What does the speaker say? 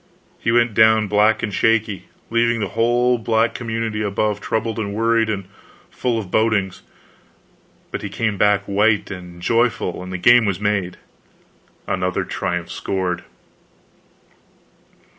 He went down black and shaky, leaving the whole black community above troubled and worried and full of bodings; but he came back white and joyful, and the game was made! another triumph scored.